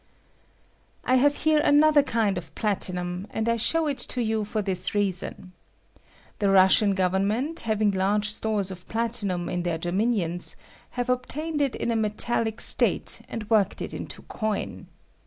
I I have here another kind of platinnm"; and I show it to you for this reason. The Russian govemment, having large stores of platinum in their dominions, have obtained it in a metallic state and worked it into coin.